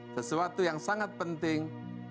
sesuatu yang sangat penting